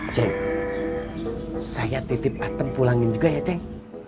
cek saya titip atem pulangin juga ya cek